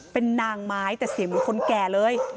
เป็นนางไม้แต่เสียงเหมือนคนแก่เลย